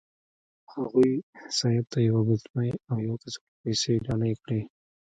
هغوی سید ته یوه ګوتمۍ او یوه کڅوړه پیسې ډالۍ کړې.